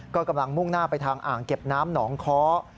ก็กำลังมุ่งหน้าไปทางอ่างเก็บน้ำหนองค้อ